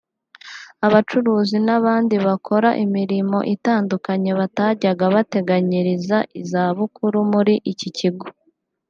abacuruzi n’abandi bakora imirimo itandukanye batajyaga bateganyiriza izabukuru muri iki kigo